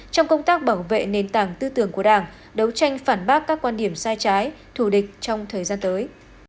trong công tác bảo vệ nền tảng tư tưởng của đảng đấu tranh phản bác các quan điểm sai trái thù địch trong thời gian tới